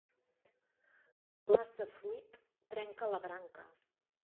Massa fruit trenca la branca.